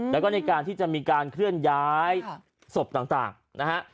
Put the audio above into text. แล้วก็ในการที่จะมีการเคลื่อนย้ายศพต่างนะฮะ